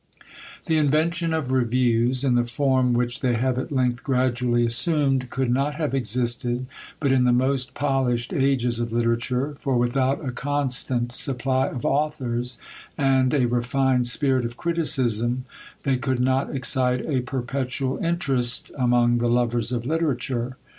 The invention of REVIEWS, in the form which they have at length gradually assumed, could not have existed but in the most polished ages of literature: for without a constant supply of authors, and a refined spirit of criticism, they could not excite a perpetual interest among the lovers of literature.